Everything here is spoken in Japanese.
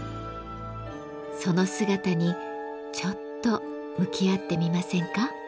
その姿にちょっと向き合ってみませんか。